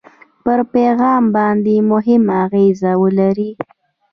پر پیغام باندې مهمه اغېزه ولري.